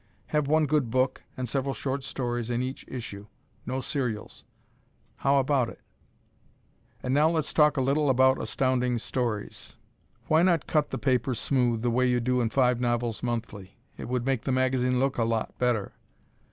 Have one good book and several short stories in each issue; no serials. How about it? And now let's talk a little about Astounding Stories! Why not cut the paper smooth, the way you do in Five Novels Monthly? It would make the magazine look a lot better.